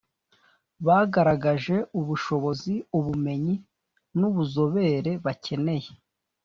Bagaragaje ubushobozi ubumenyi n’ubuzobere bakeneye